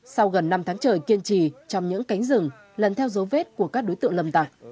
sau gần năm tháng trời kiên trì trong những cánh rừng lần theo dấu vết của các đối tượng lâm tặc